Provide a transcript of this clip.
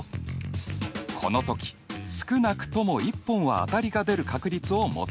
このとき少なくとも１本は当たりが出る確率を求めよう。